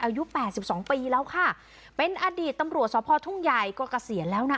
อายุแปดสิบสองปีแล้วค่ะเป็นอดีตตำรวจสภทุ่งใหญ่ก็เกษียณแล้วนะ